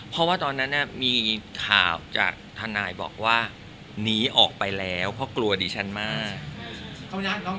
เพราะว่าตอนนั้นมีข่าวจากทนายบอกว่าหนีออกไปแล้วเพราะกลัวดิฉันมาก